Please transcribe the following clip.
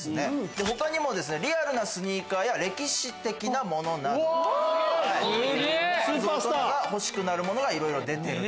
他にもリアルなスニーカーや歴史的なものなど思わず大人が欲しくなるものがいろいろ出ている。